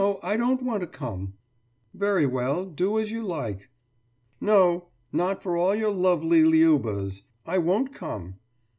I don't want to come Very well, do as you like. No, not for all your 'lovely Liubas'. I won't come.